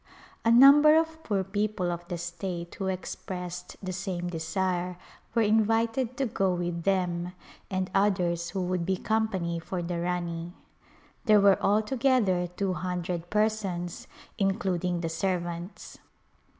A number of poor people of the state who expressed the same desire were invited to go with them, and others who would be company for the Rani. There were altogether two hundred persons, including the servants.